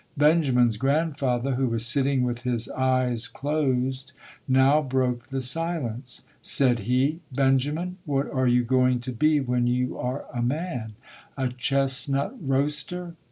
Benjamin's grandfather, who was sit ting with his eyes closed, now broke the silence. Said he, "Benjamin, what are you going to be when you are a man, a chestnut roaster?"